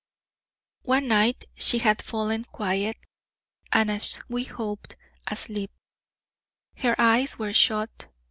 One night she had fallen quiet, and as we hoped, asleep; her eyes were shut.